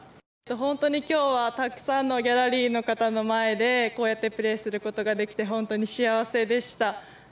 本当に今日はたくさんのギャラリーの方の前でこうやってプレーすることができて、本当に幸せでした。